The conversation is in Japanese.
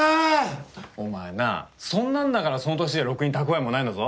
お前なそんなんだからその年でろくに蓄えもないんだぞ。